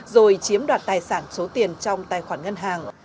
rồi chiếm đoạt tài sản số tiền trong tài khoản ngân hàng